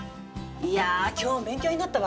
いや今日も勉強になったわ。